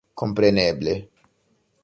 Kompreneble...